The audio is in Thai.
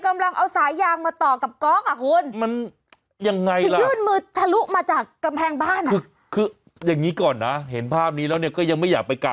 ถามว่าค่าน้ำที่บ้านป้าเป็นยังไง